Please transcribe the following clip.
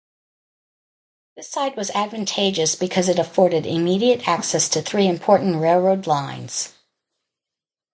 This site was advantageous because it afforded immediate access to three important railroad lines.